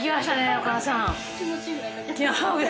お母さん。